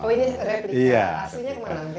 oh ini replika aslinya kemana